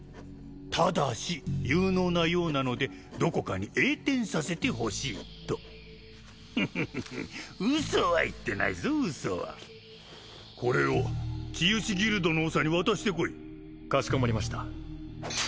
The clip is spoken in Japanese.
「ただし有能なようなのでどこかに栄転させてほしい」とフフフフウソは言ってないぞウソはこれを治癒士ギルドの長に渡してこいかしこまりました